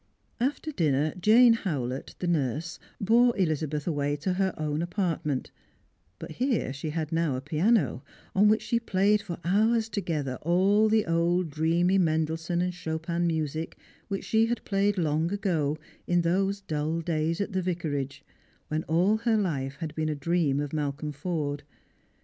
After dinner Jane Howlet, the nurse, bore Elizabeth away to her own apartment ; but here she had now a piano, on which she played for hours together all the old dreamy Mendelssohn and Chopin music which she had played long ago in those dull days at the Vicarage when all her life had been a dream ol Malcolm Forde.